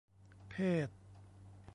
เพศ